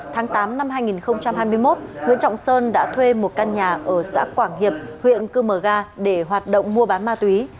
tháng tám năm hai nghìn hai mươi một nguyễn trọng sơn đã thuê một căn nhà ở xã quảng hiệp huyện cư mờ ga để hoạt động mua bán ma túy